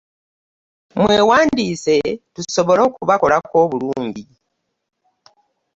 Mwewandiise tusobole okubakolako obulungi.